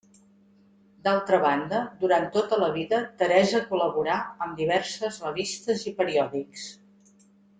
D’altra banda, durant tota la vida Teresa col·laborà amb diverses revistes i periòdics.